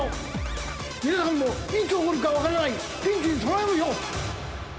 皆さんもいつ起こるか分からないピンチに備えましょう。